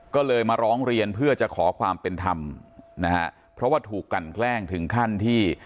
ก็เลยมาร้องเรียนเพื่อจะขอความเป็นธรรมนะฮะเพราะว่าถูกกันแกล้งถึงขั้นที่